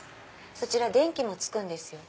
そちら電気もつくんですよ。